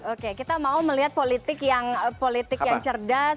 oke kita mau melihat politik yang politik yang cerdas